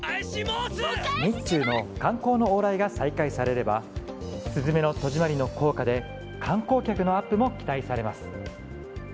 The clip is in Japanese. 日中の観光の往来が再開されれば「すずめの戸締まり」の効果で観光客のアップも期待されます。